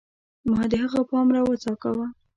ما د هغه پام راوڅکاوه